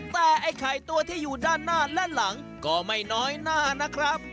แต่ไอ้ไข่ตัวที่อยู่ด้านหน้าและหลังก็ไม่น้อยหน้านะครับ